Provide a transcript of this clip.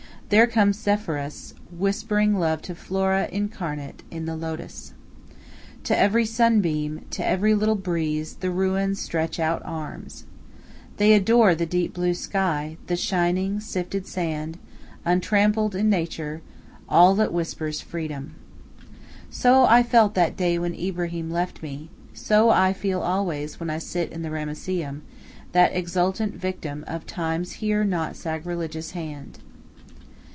There comes Zephyrus, whispering love to Flora incarnate in the Lotus. To every sunbeam, to every little breeze, the ruins stretch out arms. They adore the deep blue sky, the shining, sifted sand, untrammeled nature, all that whispers, "Freedom." So I felt that day when Ibrahim left me, so I feel always when I sit in the Ramesseum, that exultant victim of Time's here not sacrilegious hand.